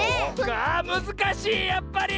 あむずかしいやっぱり！